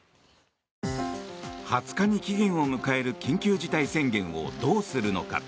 ２０日に期限を迎える緊急事態宣言をどうするのか。